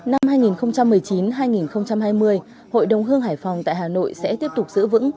năm hai nghìn một mươi chín hai nghìn hai mươi hội đồng hương hải phòng tại hà nội sẽ tiếp tục giữ vững